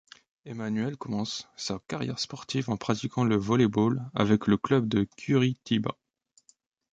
Emanuel commence sa carrière sportive en pratiquant le volley-ball avec le Club de Curitiba.